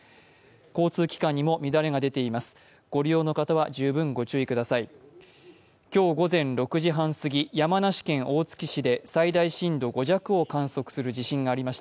交通機関にも乱れが出ています。